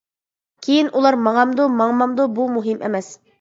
كېيىن ئۇلار ماڭامدۇ ماڭمامدۇ بۇ مۇھىم ئەمەس.